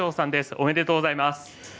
おめでとうございます。